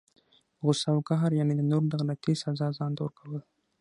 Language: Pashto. غصه او قهر، یعني د نورو د غلطۍ سزا ځانته ورکول!